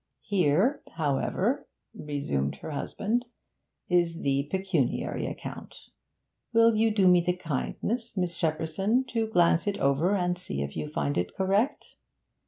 'Here, however,' resumed her husband, 'is the pecuniary account. Will you do me the kindness, Miss Shepperson, to glance it over and see if you find it correct?'